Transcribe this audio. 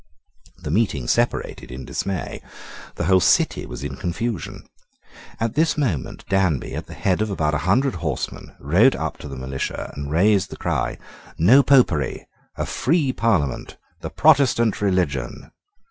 The meeting separated in dismay. The whole city was in confusion. At this moment Danby at the head of about a hundred horsemen rode up to the militia, and raised the cry "No Popery! A free Parliament! The Protestant religion!"